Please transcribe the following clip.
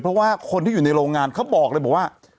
เพราะว่าคนที่อยู่ในโรงงานเขาบอกเลยบอกว่า